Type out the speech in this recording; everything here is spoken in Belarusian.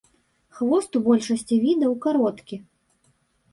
Хвост у большасці відаў кароткі.